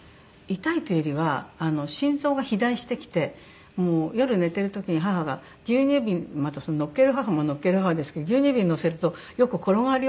痛いというよりは心臓が肥大してきてもう夜寝てる時に母が牛乳瓶またのっける母ものっける母ですけど「牛乳瓶のせるとよく転がり落ちたのよね